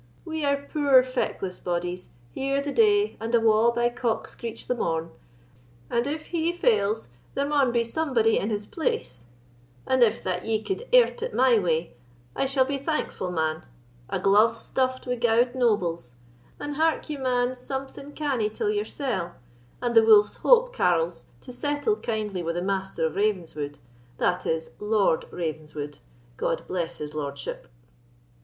we are peer feckless bodies, here the day and awa' by cock screech the morn; and if he failyies, there maun be somebody in his place; and gif that ye could airt it my way, I sall be thankful, man—a gluve stuffed wi gowd nobles; an' hark ye, man something canny till yoursell, and the Wolf's Hope carles to settle kindly wi' the Master of Ravenswood—that is, Lord Ravenswood—God bless his lordship!"